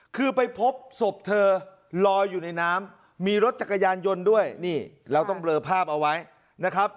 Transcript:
คือไปพบศพเธอลอยอยู่ในน้ำมีรถจักรยานยนต์ด้วยนี่เราต้องเลอภาพเอาไว้นะครับ